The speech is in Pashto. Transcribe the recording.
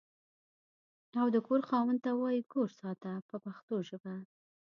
او د کور خاوند ته وایي کور ساته په پښتو ژبه.